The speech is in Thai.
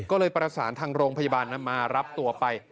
ก็เลยประสานทางโรงพยาบาลนั้นมารับตัวไป